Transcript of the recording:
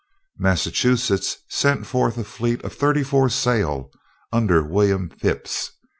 Massachusetts sent forth a fleet of thirty four sail, under William Phipps.